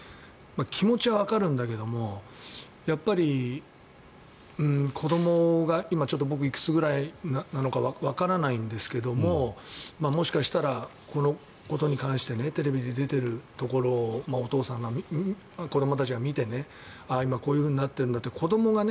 気持ちはわかるんだけれどもやっぱり子どもが今、僕、いくつぐらいなのかわからないんですがもしかしたら、このことに関してテレビで出ているところを子どもたちが見て今、こういうふうになっているんだって、子どもが。